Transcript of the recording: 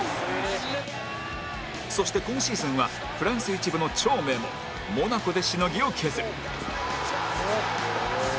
そして今シーズンはフランス１部の超名門モナコでしのぎを削る